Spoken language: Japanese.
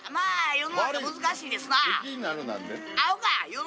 世の中難しいですな。